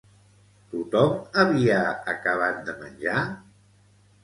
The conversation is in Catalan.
Tothom havia acabat de menjar?